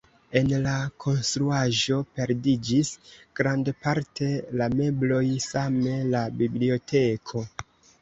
En la konstruaĵo perdiĝis grandparte la mebloj, same la biblioteko.